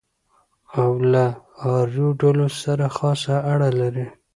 او له آریون ډلو سره خاصه اړه لري.